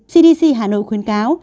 cdc hà nội khuyên các